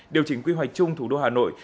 điều chỉnh quy hoạch chung thủ đô hà nội